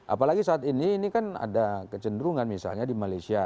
apalagi saat ini ini kan ada kecenderungan misalnya di malaysia